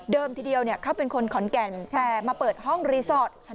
ทีเดียวเขาเป็นคนขอนแก่นแต่มาเปิดห้องรีสอร์ท